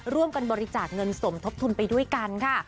ร่วมกันบริจาคเงินสมทบทุนไปด้วยกันค่ะ